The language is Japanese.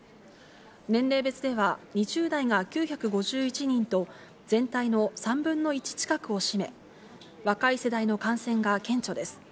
年齢別では、２０代が９５１人と全体の３分の１近くを占め、若い世代の感染が顕著です。